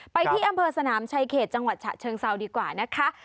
ไปที่อำเภอสนามชายเขตจังหวัดฉะเชิงเซาดีกว่านะคะ